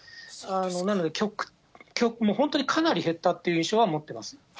なので、本当にかなり減ったという印象は持ってます。